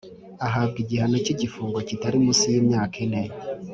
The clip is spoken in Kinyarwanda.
ahabwa igihano cy’igifungo kitari munsi y’imyaka ine.